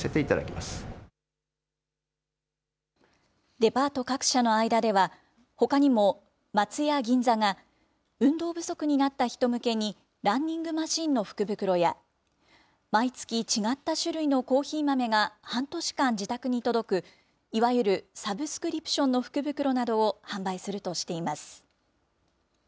デパート各社の間では、ほかにも松屋銀座が、運動不足になった人向けにランニングマシンの福袋や、毎月違った種類のコーヒー豆が半年間自宅に届く、いわゆるサブスクリプションの福袋などを販売するとしています。